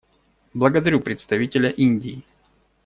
Благодарю представителя Индии.